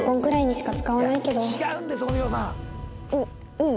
うん。